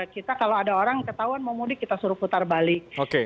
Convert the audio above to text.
kita kalau ada orang ketahuan mau mudik kita suruh putar balik